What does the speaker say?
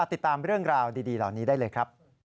ติดตามเรื่องราวดีเหล่านี้ได้เลยครับ